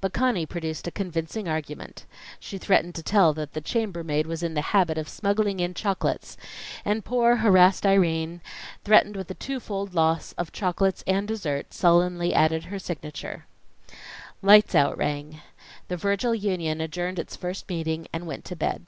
But Conny produced a convincing argument. She threatened to tell that the chambermaid was in the habit of smuggling in chocolates and poor harassed Irene, threatened with the two fold loss of chocolates and dessert, sullenly added her signature. "Lights out" rang. The Virgil Union adjourned its first meeting and went to bed.